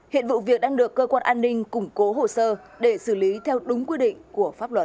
hiện vụ việc đang được cơ quan an ninh củng cố hồ sơ để xử lý theo đúng quy định của pháp luật